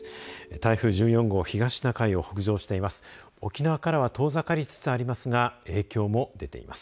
台風１４号、東シナ海を北上しています。